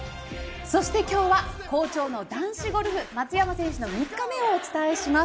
そして、今日は好調の男子ゴルフ松山選手の３日目をお伝えします。